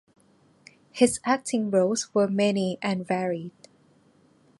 His acting roles were many and varied.